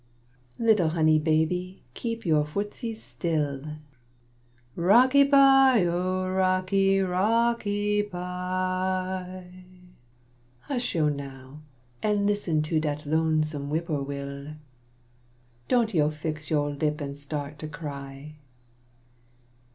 Little honey baby, keep yo' footses still! (Rocky bye, oh, rocky, rocky bye!) Hush yo' now, an listen to dat lonesome whippo' will; Don't yo' fix yo' lip an start to cry.